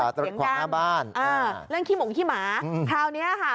จอดรถขวางหน้าบ้านอ่าเรื่องขี้หมุ่งขี้หมาคราวเนี้ยค่ะ